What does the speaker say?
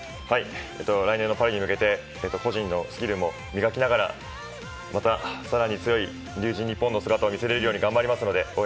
来年のパリに向けて個人のスキルも磨きながらまた更に強い龍神ＮＩＰＰＯＮの姿を見せられるように頑張りますので応援